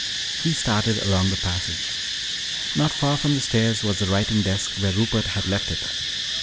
He started along the passage. Not far from the stairs was the writing desk where Rupert had left it.